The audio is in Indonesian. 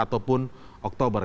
dan pada oktober